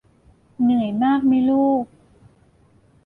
เหนื่อยมากไหมลูก